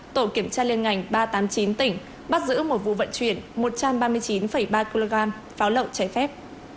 tổ kiểm tra liên ngành ba trăm tám mươi chín tỉnh bắt giữ một vụ vận chuyển một trăm ba mươi chín ba kg pháo lậu cháy phép